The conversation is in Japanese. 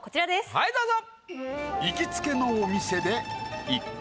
はいどうぞ。